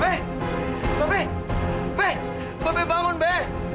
be bebe bebe bangun be